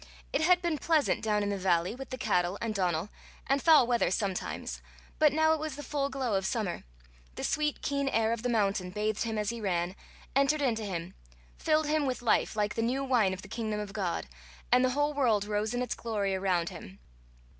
It had been pleasant down in the valley, with the cattle and Donal, and foul weather sometimes; but now it was the full glow of summer; the sweet keen air of the mountain bathed him as he ran, entered into him, filled him with life like the new wine of the kingdom of God, and the whole world rose in its glory around him.